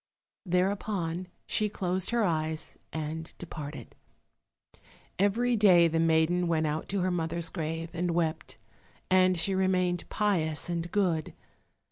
Thereupon she closed her eyes and departed. Every day the maiden went out to her mother's grave, and wept, and she remained pious and good.